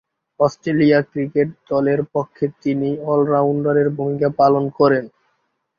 Australia cricket দলের পক্ষে তিনি অল-রাউন্ডারের ভূমিকা পালন করেন।